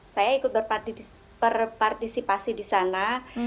saya ikut berpartisipasi di sana